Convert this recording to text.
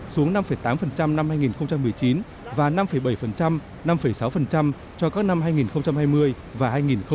xuống năm tám năm hai nghìn một mươi chín và năm bảy năm sáu cho các năm hai nghìn hai mươi và hai nghìn hai mươi một